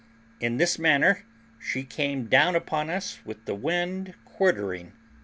In this manner she came down upon us with the wind quartering.